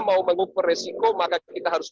mau mengukur resiko maka kita harus